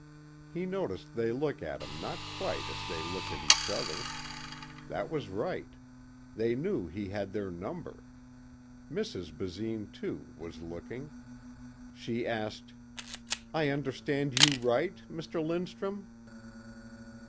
He noticed they looked at him not quite as they looked at each other. That was right. They knew he had their number. Mrs. Basine, too, was looking. She asked: "I understand you write, Mr. Lindstrum?"